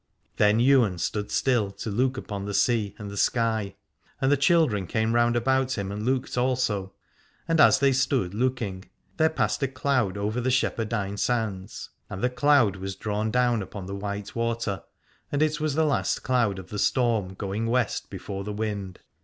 247 Alad ore Then Ywain stood still to look upon the sea and the sky, and the children came round about him and looked also. And as they stood looking there passed a cloud over the Shepherdine Sands, and the cloud was drawn down upon the white water, and it was the last cloud of the storm going west before the wind.